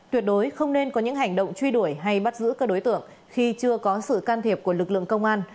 tuyệt đối không nên có những hành động truy đuổi hay bắt giữ các đối tượng khi chưa có sự can thiệp của lực lượng công an